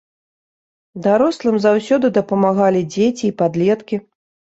Дарослым заўсёды дапамагалі дзеці і падлеткі.